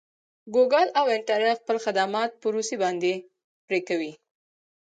ګوګل او انټرنټ خپل خدمات په روسې باندې پري کوي.